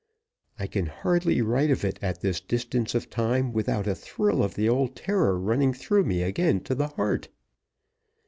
I can hardly write of it at this distance of time without a thrill of the old terror running through me again to the heart.